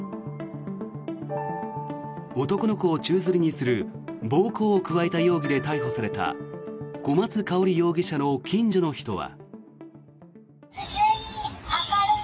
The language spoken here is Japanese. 男の子を宙づりにする暴行を加えた容疑で逮捕された小松香織容疑者の近所の人は。